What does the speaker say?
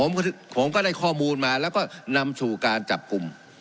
ผมก็ได้ข้อมูลมาแล้วก็นำสู่การจับกลุ่ม